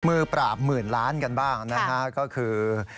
มือปราบหมื่นล้านกันบ้างนะฮะก็คือ